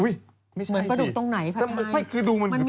เหมือนปลาดุกตรงไหน